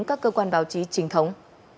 các cơ quan báo chí trình thống